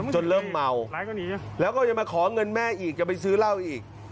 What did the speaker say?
จนเริ่มเมาแล้วก็จะมาขอเงินแม่อีกจะไปซื้อเหล้าอีก